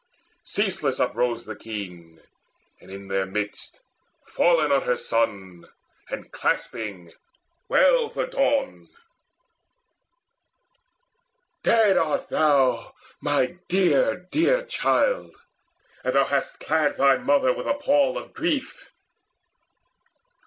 Ceaseless uprose the keen, and in their midst, Fallen on her son and clasping, wailed the Dawn; "Dead art thou, dear, dear child, and thou hast clad Thy mother with a pall of grief.